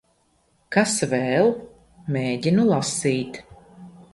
Kas vēl? Mēģinu lasīt.